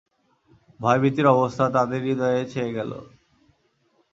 ভয় ভীতির অবস্থা তাদের হৃদয়ে ছেয়ে গেল।